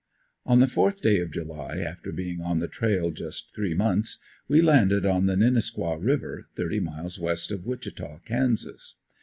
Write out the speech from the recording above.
On the fourth day of July, after being on the trail just three months, we landed on the "Ninnasquaw" river, thirty miles west of Wichita, Kansas.